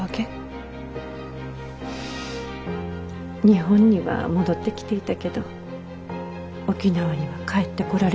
日本には戻ってきていたけど沖縄には帰ってこられなかった。